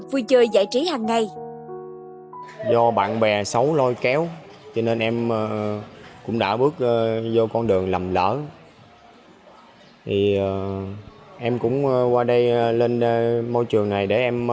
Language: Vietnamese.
vui chơi giải trí hằng ngày